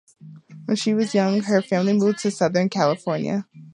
When she was young, her family moved to Southern California.